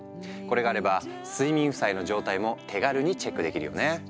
これがあれば睡眠負債の状態も手軽にチェックできるよね。